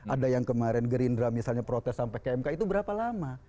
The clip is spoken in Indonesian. ada yang kemarin gerindra misalnya protes sampai ke mk itu berapa lama